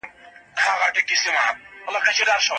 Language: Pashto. داده پښـــــتانه اشـــنــــٰـا